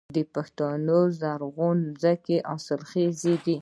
د پښتون زرغون ځمکې حاصلخیزه دي